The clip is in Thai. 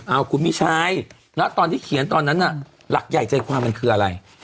เอาคุณมิชัยณตอนที่เขียนตอนนั้นน่ะหลักใหญ่ใจความมันคืออะไร